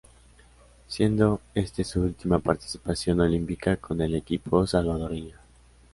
Siendo este su última participación olímpica con el equipo salvadoreño.